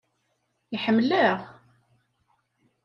Iḥemmel-aɣ.